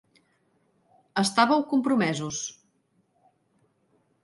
Estàveu compromesos.